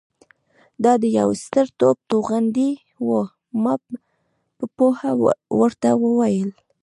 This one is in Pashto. دا د یوه ستر توپ توغندۍ وه. ما په پوهه ورته وویل.